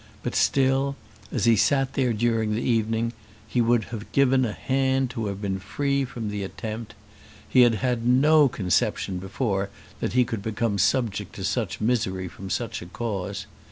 But still, as he sat there during the evening, he would have given a hand to have been free from the attempt. He had had no conception before that he could become subject to such misery from such a cause.